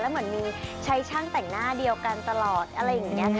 เหมือนมีใช้ช่างแต่งหน้าเดียวกันตลอดอะไรอย่างนี้ค่ะ